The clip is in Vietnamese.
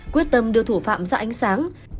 quyết tâm đưa thủ phạm ra ánh sáng